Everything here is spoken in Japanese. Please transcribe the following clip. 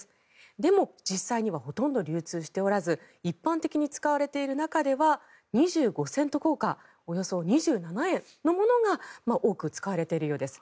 でも、実際にはほとんど流通しておらず一般的に使われている中では２５セント硬貨およそ２７円のものが多く使われているようです。